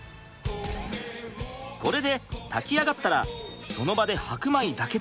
これで炊き上がったらその場で白米だけで。